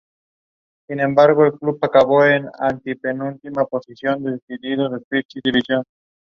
The cinematography and editing is done by Giridhar Divan.